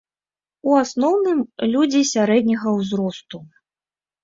У асноўным, людзі сярэдняга ўзросту.